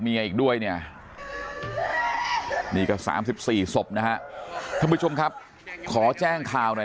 อีกด้วยเนี่ยนี่ก็๓๔ศพนะฮะท่านผู้ชมครับขอแจ้งข่าวหน่อย